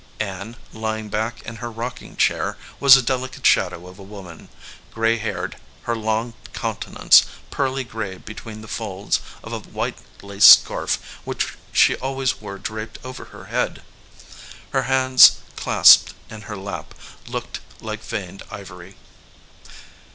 Ann, lying back in her rocking chair, was a delicate shadow of a woman, gray haired, her long countenance pearly gray between the folds of a white lace scarf which she always wore draped over her head. Her hands, clasped in her lap, looked like veined ivory.